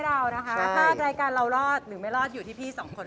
เรานะคะถ้ารายการเรารอดหรือไม่รอดอยู่ที่พี่สองคน